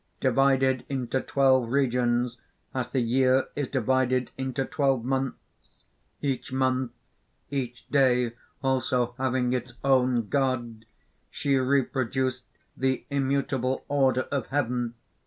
Divided into twelve regions as the year is divided into twelve months each month, each day also having its own god she reproduced the immutable order of heaven.